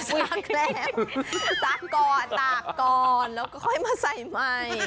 วางแคลงตากก่อนตากก่อนแล้วก็ค่อยมาใส่ใหม่